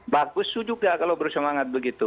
bagus juga kalau bersemangat begitu